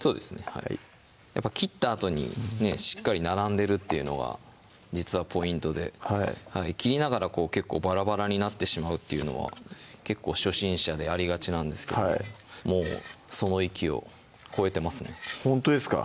はい切ったあとにねしっかり並んでるっていうのが実はポイントではい切ながら結構バラバラになってしまうっていうのは結構初心者でありがちなんですけどももうその域を超えてますねほんとですか？